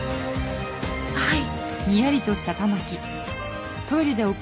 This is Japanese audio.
はい。